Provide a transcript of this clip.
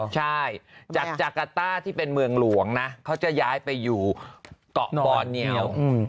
ใช่จากจากาต้าที่เป็นเมืองหลวงนะเขาจะย้ายไปอยู่เกาะบ่อเนียว